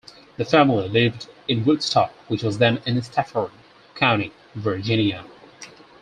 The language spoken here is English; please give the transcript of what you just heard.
The family lived in Woodstock, which was then in Stafford County, Virginia.